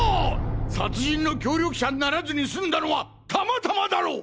殺人の協力者にならずにすんだのはたまたまだろう！